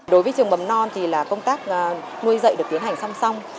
đối với trường mầm non thì là công tác nuôi dạy được tiến hành song song